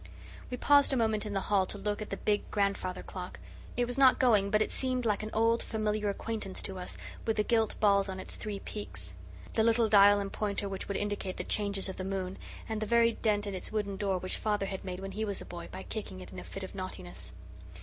We paused a moment in the hall to look at the big "Grandfather" clock. It was not going, but it seemed like an old, familiar acquaintance to us, with the gilt balls on its three peaks; the little dial and pointer which would indicate the changes of the moon, and the very dent in its wooden door which father had made when he was a boy, by kicking it in a fit of naughtiness.